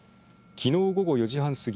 きのう午後４時半過ぎ